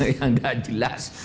yang tidak jelas